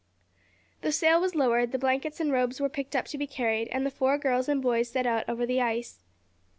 The sail was lowered, the blankets and robes were picked up to be carried, and the four girls and boys set out over the ice.